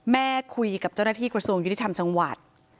คุยกับเจ้าหน้าที่กระทรวงยุติธรรมจังหวัด